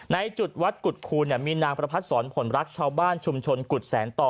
ในจุดวัดกุฎคูณมีนางประพัดศรผลรักชาวบ้านชุมชนกุฎแสนต่อ